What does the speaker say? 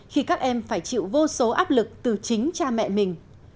khi các em phải chịu vô số áp lực từ chính cha mẹ mình